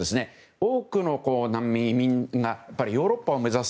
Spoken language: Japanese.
多くの難民・移民がヨーロッパを目指す。